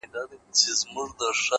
ولاكه مو په كار ده دا بې ننگه ككرۍ؛